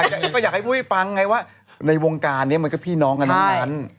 แต่ก็อยากให้ปุ้ยฟังไงว่าในวงการนี้มันก็พี่น้องกันทั้งนั้น